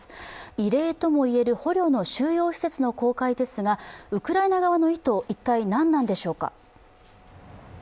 異例ともいえる捕虜の収容施設の公開ですがウクライナ側の意図は一体何なんでしょうか。